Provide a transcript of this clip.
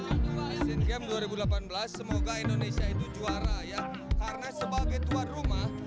asian games dua ribu delapan belas semoga indonesia itu juara ya karena sebagai tuan rumah